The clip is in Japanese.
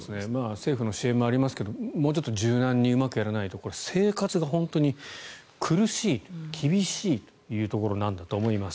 政府の支援もありますがもうちょっと柔軟にうまくやらないとこれは生活が本当に苦しい厳しいというところだと思います。